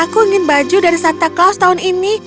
aku ingin baju dari santa claus tahun ini